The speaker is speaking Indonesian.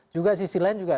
juga sisi lain juga